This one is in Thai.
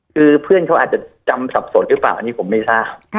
คือเพื่อนเขาอาจจะจำสับสนหรือเปล่าอันนี้ผมไม่ทราบ